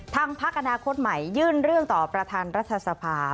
พักอนาคตใหม่ยื่นเรื่องต่อประธานรัฐสภา